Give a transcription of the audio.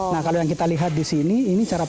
nah kalau yang kita lihat di sini ini cara